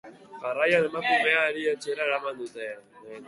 Jarraian, emakumea erietxera eraman dute.